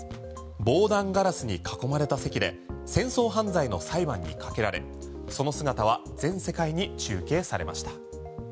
防弾ガラスに囲まれた席で戦争犯罪の裁判にかけられその姿は全世界に中継されました。